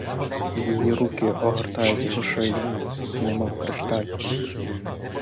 Її руки огортають його шию, немов кришталь.